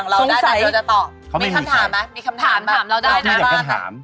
งูผมอยากถาม